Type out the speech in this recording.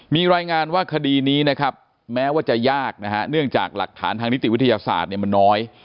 มีรายงานว่าคดีนี้นะครับแม้ว่าจะยากนะฮะเนื่องจากหลักฐานทางนิติวิทยาศาสตร์เนี่ยมันน้อย